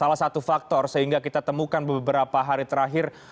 salah satu faktor sehingga kita temukan beberapa hari terakhir